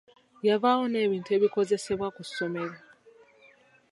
Yavaawo n'ebintu ebikozesebwa ku ssomero.